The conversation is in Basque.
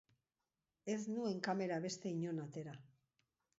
Ez nuen kamera beste inon atera.